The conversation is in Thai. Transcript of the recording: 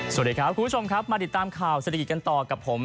สวัสดีครับคุณผู้ชมครับมาติดตามข่าวเศรษฐกิจกันต่อกับผม